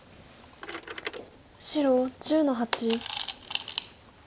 白１０の八。